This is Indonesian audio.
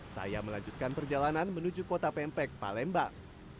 saya melanjutkan perjalanan menuju kota pempek palembang